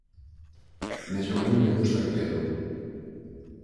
Mesmo a min me custa crelo.